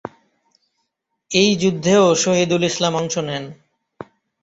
এই যুদ্ধেও শহীদুল ইসলাম অংশ নেন।